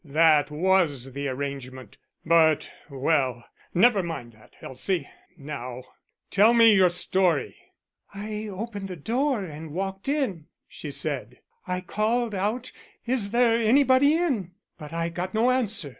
That was the arrangement, but well, never mind that, Elsie, now; tell me your story." "I opened the door and walked in," she said. "I called out 'Is there anybody in?' but I got no answer.